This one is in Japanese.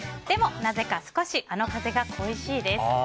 でも、なぜか少しあの風が恋しいです。